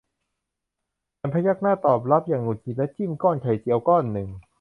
ฉันพยักหน้าตอบรับอย่างหงุดหงิดและจิ้มก้อนไข่เจียวก้อนหนึ่ง